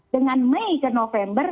dengan mei ke november